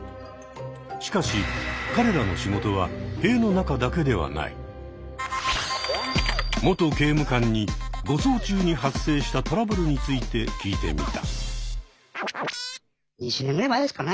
しかし彼らの仕事は元刑務官に護送中に発生したトラブルについて聞いてみた。